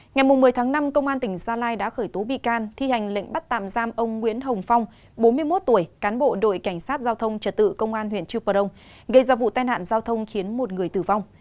ngày một mươi tháng năm công an tỉnh gia lai đã khởi tố bị can thi hành lệnh bắt tạm giam ông nguyễn hồng phong bốn mươi một tuổi cán bộ đội cảnh sát giao thông trật tự công an huyện trư prong gây ra vụ tai nạn giao thông khiến một người tử vong